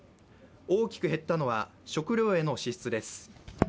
大きく減ったのは食料への支出です。